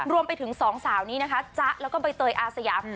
รวมไปถึงสองสาวนี้นะคะจ๊ะแล้วก็ใบเตยอาสยาม